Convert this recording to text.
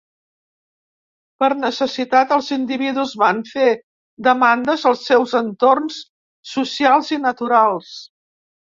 Per necessitat, els individus van fer demandes als seus entorns socials i naturals.